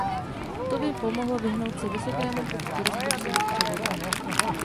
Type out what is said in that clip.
To by pomohlo vyhnout se vysokému počtu rozpočtových převodů.